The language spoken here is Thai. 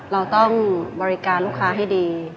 เราต้องบริการลูกค้าให้ดี